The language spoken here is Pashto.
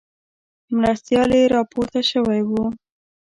مرستیال یې راپورته شوی وو.